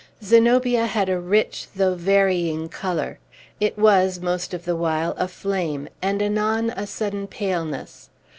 Zenobia had a rich though varying color. It was, most of the while, a flame, and anon a sudden paleness.